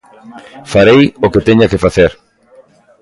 Farei o que teña que facer.